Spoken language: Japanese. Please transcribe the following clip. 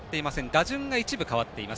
打順が一部変わっています。